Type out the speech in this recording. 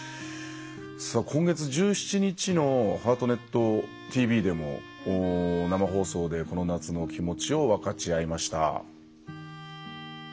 今月１７日の「ハートネットＴＶ」でも生放送でこの夏の気持ちを分かち合いました。